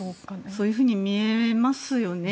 そういうふうに見えますよね。